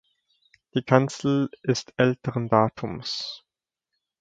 Die Kanzel ist älteren Datums.